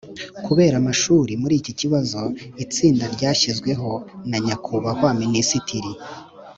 Kubera amashuri muri iki kibazo itsinda ryashyizweho na nyakubahwa minisitiri